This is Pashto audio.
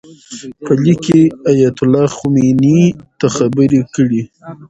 په لیک کې یې ایتالله خمیني ته خبرې کړي.